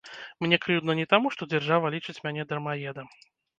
Мне крыўдна не таму, што дзяржава мяне лічыць дармаедам.